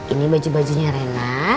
ini baju bajunya rena